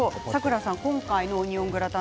今回のオニオングラタン